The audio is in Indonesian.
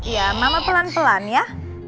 ya mama pelan pelan ya